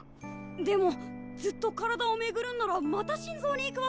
でもずっと体を巡るんならまた心臓に行くわけでしょ。